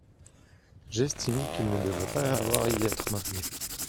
J’estime qu’ils ne devraient pas avoir à y être maintenus.